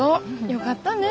よかったね！